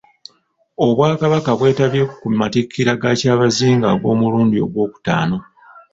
Obwakabaka bwetabye ku Matikkira ga Kyabazinga ag'omulundi ogwokutaano